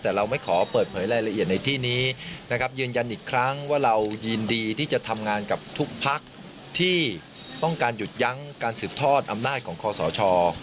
แต่เราไม่ขอเปิดเผยรายละเอียดในที่นี้นะครับยืนยันอีกครั้งว่าเรายินดีที่จะทำงานกับทุกพักที่ต้องการหยุดยั้งการสืบทอดอำนาจของคอสช